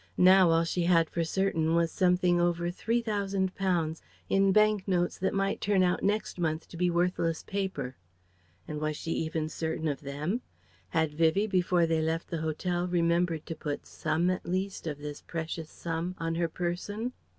Now all she had for certain was something over three thousand pounds in bank notes that might turn out next month to be worthless paper. And was she certain even of them? Had Vivie before they left the hotel remembered to put some, at least, of this precious sum on her person?